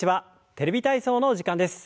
「テレビ体操」の時間です。